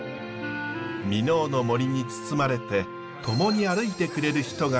箕面の森に包まれてともに歩いてくれる人がいる。